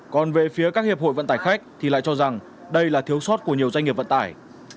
còn về phía các hiệp hội vận tải khách thì lại cho rằng đây là thiếu sót của nhiều doanh nghiệp vận tải